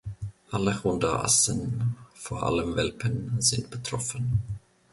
Alle Hunderassen, vor allem Welpen, sind betroffen.